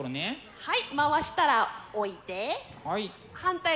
はい。